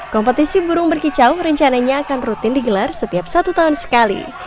kompetisi burung berkicau rencananya akan rutin digelar setiap satu tahun sekali